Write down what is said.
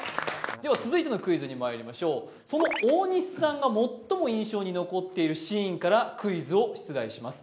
では続いてのクイズにまいりましょうその大西さんが最も印象に残っているシーンからクイズを出題します